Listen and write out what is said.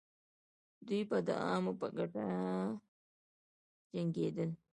دوی به د عوامو په ګټه جنګېدل.